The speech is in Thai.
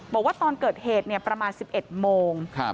บอกว่าตอนเกิดเหตุประมาณ๑๑โมง